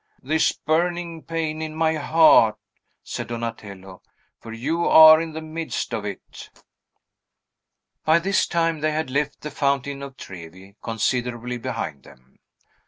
"This burning pain in my heart," said Donatello; "for you are in the midst of it." By this time, they had left the Fountain of Trevi considerably behind them.